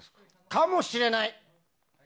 かもしれない！